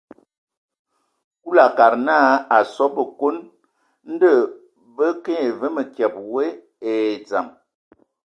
Kulu a akad naa, a asɔ a Bǝkon, ndɔ bə kə nye və mǝkyǝbe we e dzam.